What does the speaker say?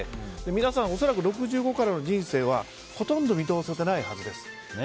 皆さん、恐らく６５からの人生はほとんど見通せてないはずです。